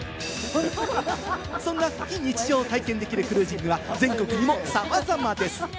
そんな非日常を体験できるクルージングは全国にもさまざまです。